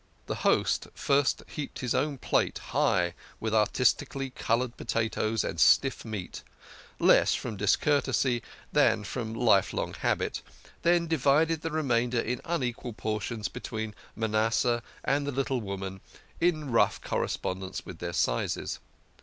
The host first heaped his own plate high with artistically coloured potatoes and stiff meat less from dis courtesy than from life long habit then divided the re mainder in unequal portions between Manasseh and the little woman, in rough correspondence with their sizes.